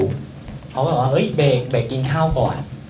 เขาก็บอกว่าเฮ้ยเบรกกินข้าวก่อน